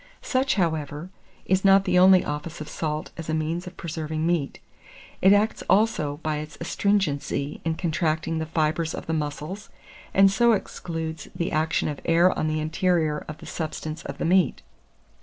Such, however, is not the only office of salt as a means of preserving meat; it acts also by its astringency in contracting the fibres of the muscles, and so excludes the action of air on the interior of the substance of the meat.